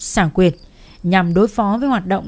trả quyền nhằm đối phó với hoạt động